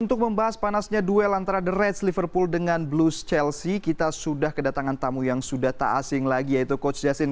untuk membahas panasnya duel antara the reds liverpool dengan blues chelsea kita sudah kedatangan tamu yang sudah tak asing lagi yaitu coach justin